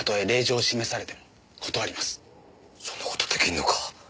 そんなことできるのか？